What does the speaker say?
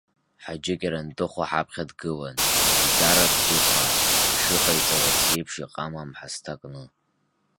Ҳаџьы Кьарантыху ҳаԥхьа дгылан, иӡара тӷухаа, ишыҟаиҵалац еиԥш иҟама амҳасҭа кны.